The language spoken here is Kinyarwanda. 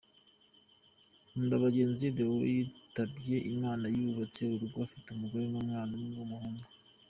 Nkundabagenzi Deo yitabye Imana yubatse urugo afite umugore n’umwana umwe w’umuhungu.